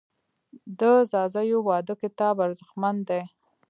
د ځاځیو واده کتاب ارزښتمن دی.